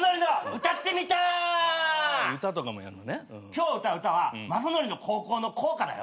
今日歌う歌は雅紀の高校の校歌だよ。